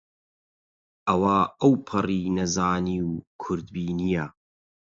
ئەوە ئەوپەڕی نەزانی و کورتبینییە